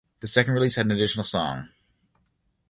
The second release had an additional song.